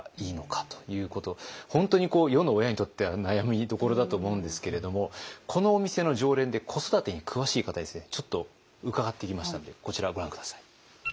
本当に世の親にとっては悩みどころだと思うんですけれどもこのお店の常連で子育てに詳しい方にですねちょっと伺ってきましたのでこちらをご覧下さい。